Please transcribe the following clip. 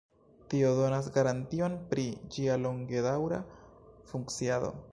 Tio donas garantion pri ĝia longedaŭra funkciado.